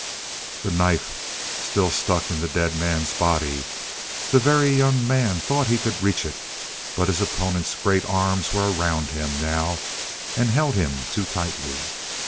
The knife still stuck in the dead man's body. The Very Young Man thought he could reach it, but his opponent's great arms were around him now and held him too tightly.